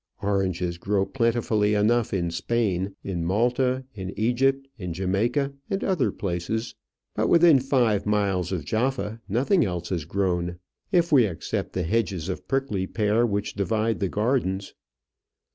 Oranges grow plentifully enough in Spain, in Malta, in Egypt, in Jamaica, and other places, but within five miles of Jaffa nothing else is grown if we except the hedges of prickly pear which divide the gardens.